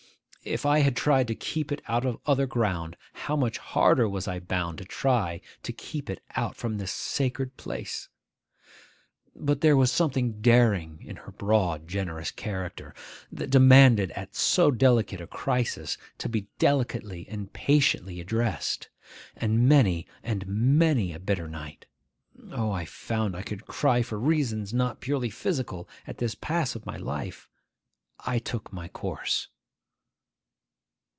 If I had tried to keep it out of other ground, how much harder was I bound to try to keep it out from this sacred place! But there was something daring in her broad, generous character, that demanded at so delicate a crisis to be delicately and patiently addressed. And many and many a bitter night (O, I found I could cry for reasons not purely physical, at this pass of my life!) I took my course.